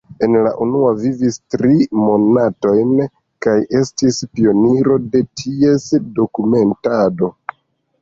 En la unua vivis tri monatojn kaj estis pioniro de ties dokumentado.